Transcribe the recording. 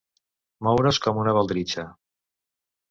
Moure's com una baldritxa.